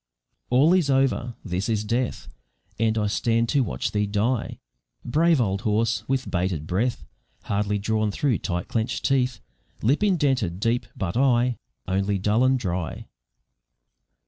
All is over! this is death, And I stand to watch thee die, Brave old horse! with 'bated breath Hardly drawn through tight clenched teeth, Lip indented deep, but eye Only dull and dry.